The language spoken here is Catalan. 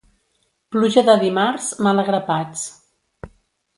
Pluja de dimarts, mal a grapats.